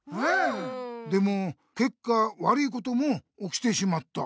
でもけっか悪いこともおきてしまった。